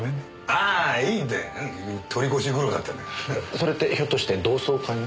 それってひょっとして同窓会の？